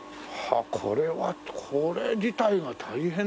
これはこれ自体が大変だもんな。